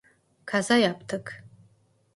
Kaza yaptık.